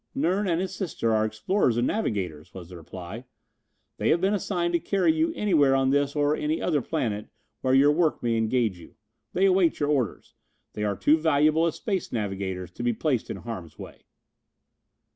"Nern and his sister are explorers and navigators," was the reply. "They have been assigned to carry you anywhere on this or any other planet where your work may engage you. They await your orders. They are too valuable as space navigators to be placed in harm's way."